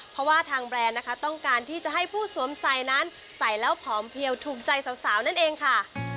เพราะว่าทางแบรนด์นะคะต้องการที่จะให้ผู้สวมใส่นั้นใส่แล้วผอมเพียวถูกใจสาวนั่นเองค่ะ